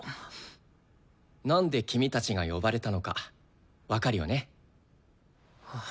なんで君たちが呼ばれたのか分かるよね？